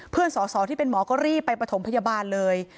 เพื่อนสอสอที่เป็นหมอก็รีบไปประถมพยาบาลเลย